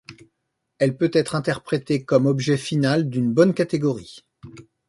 Elle peut être interprétée comme objet final d'une bonne catégorie.